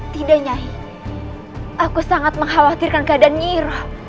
tidak nyai aku sangat mengkhawatirkan keadaan nyiroh